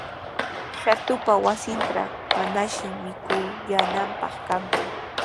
Shatupa wasintraw manashi mikuyaananpaq kanku.